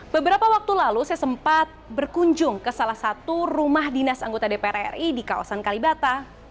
beberapa waktu lalu saya sempat berkunjung ke salah satu rumah dinas anggota dpr ri di kawasan kalibata